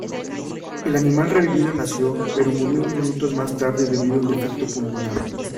El animal revivido nació, pero murió minutos más tarde debido a un defecto pulmonar.